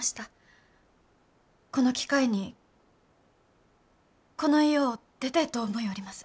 この機会にこの家を出てえと思ようります。